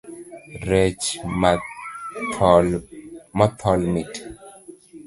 Rech mothol mit.